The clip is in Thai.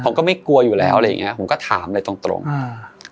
ผมก็ไม่กลัวอยู่แล้วอะไรอย่างเงี้ผมก็ถามอะไรตรงตรงอ่า